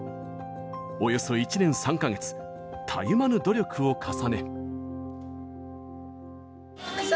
およそ１年３か月たゆまぬ努力を重ね。